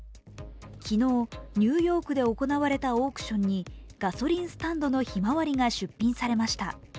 昨日、ニューヨークで行われたオークションに「ガソリンスタンドのひまわり」が出品されました。